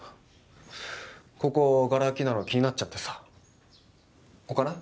ここがら空きなの気になっちゃってさ置かない？